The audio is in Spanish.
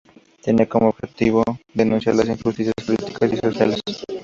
Tenía como objetivo denunciar las injusticias políticas y sociales.